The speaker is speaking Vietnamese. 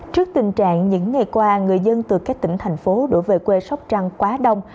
trước tình trạng những ngày qua người dân từ các tỉnh thành phố đổ về quê sóc trăng quá đông